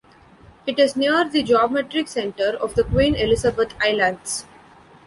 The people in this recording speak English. It is near the geometric centre of the Queen Elizabeth Islands.